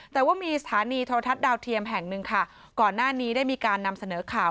แต่ว่ามีสถานีโทรทัศน์ดาวเทียมแห่งหนึ่งค่ะก่อนหน้านี้ได้มีการนำเสนอข่าว